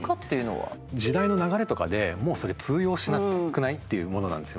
時代の流れとかでもうそれ通用しなくない？っていうものなんですよね。